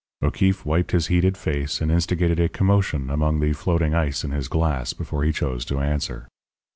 O'Keefe wiped his heated face and instigated a commotion among the floating ice in his glass before he chose to answer.